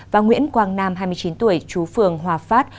và nguyễn quang nam hai mươi chín tuổi chú phường hòa phát